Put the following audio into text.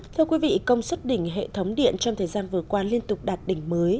thưa quý vị công suất đỉnh hệ thống điện trong thời gian vừa qua liên tục đạt đỉnh mới